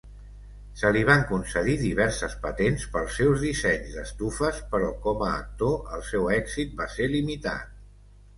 Se li van concedir diverses patents pel seus dissenys d'estufes, però com a actor el seu èxit va ser limitat.